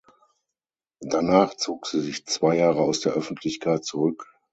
Danach zog sie sich zwei Jahre aus der Öffentlichkeit zurück.